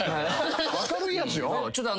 明るいやつよ。